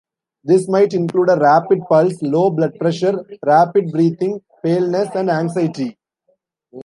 This might include a rapid pulse, low blood pressure, rapid breathing, paleness, and anxiety.